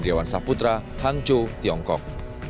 dan sesuai jadwal